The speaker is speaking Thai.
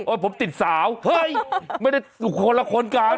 โอ้ยผมติดสาวเฮ้ยไม่ได้คนละคนการ